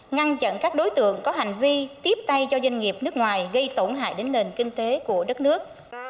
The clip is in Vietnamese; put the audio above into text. ngăn chặn các đối tượng có hành vi tiếp tay cho doanh nghiệp nước ngoài gây tổn hại đến nền kinh tế của đất nước